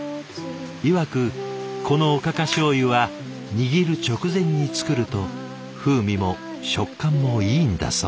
いわくこの「おかかしょうゆ」は握る直前に作ると風味も食感もいいんだそう。